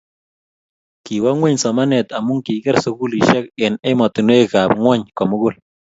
kiwo ng'weny somanet amu kikier sukulisiek eng' emotinwekab ng'ony ko mugul